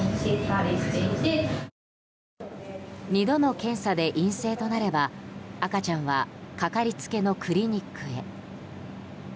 ２度の検査で陰性となれば赤ちゃんはかかりつけのクリニックへ。